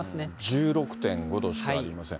１６．５度しかありません。